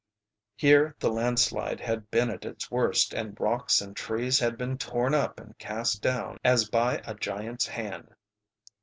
Here the landslide had been at its worst, and rocks and trees had been torn up and cast down as by a giant's hand.